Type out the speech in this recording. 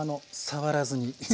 触らずに。